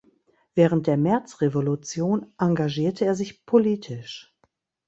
Während der Märzrevolution engagierte er sich politisch.